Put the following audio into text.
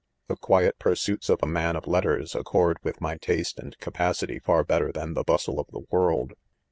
The quiet pursuits of a man of letters ac cord with my 'taste and capacity far better than . the bustle '■■ of the world.